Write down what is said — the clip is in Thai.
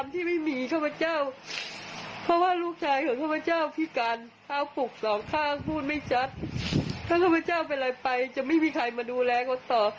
ถ้าพระเจ้าไปอะไรไปจะไม่มีใครมาดูแลเขาต่อ